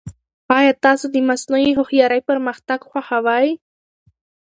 ایا تاسو د مصنوعي هوښیارۍ پرمختګ خوښوي؟